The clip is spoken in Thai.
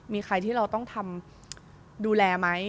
มีใครที่เราต้องทำดูแลไหม